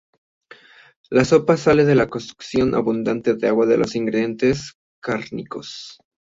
La sopa sale de la cocción en abundante agua de los ingredientes cárnicos.